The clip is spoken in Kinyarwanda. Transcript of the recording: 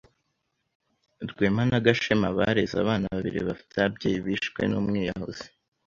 Rwema na Gashema bareze abana babiri bafite ababyeyi bishwe n’umwiyahuzi.